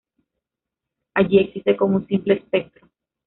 Allí existe como un simple espectro.